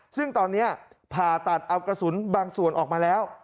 ซึ่งตอนนี้ผ่าตัดเอากระสุนบางส่วนออกมาแล้ว